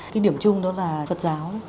cái điểm chung đó là phật giáo